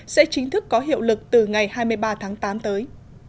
sẽ chính thức có hiệu lực từ ngày hai mươi ba tháng tám tới